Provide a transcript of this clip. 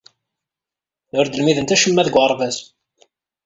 Ur d-lmident acemma deg uɣerbaz.